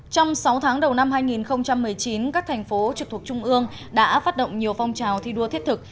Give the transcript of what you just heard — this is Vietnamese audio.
trong sáu tháng đầu năm hai nghìn một mươi chín các thành phố trực thuộc trung ương đã phát động nhiều phong trào thi đua thiết thực